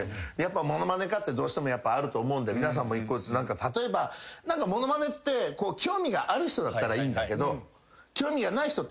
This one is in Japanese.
ものまねかってどうしてもあると思うんで皆さんも１個何か例えばものまねって興味がある人だったらいいんだけど。